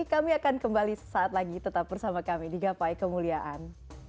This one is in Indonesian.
kami akan kembali sesaat lagi tetap bersama kami di gapai kemuliaan